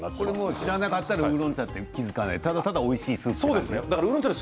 知らなかったらウーロン茶と気付かないただただ、おいしい汁物って感じですか。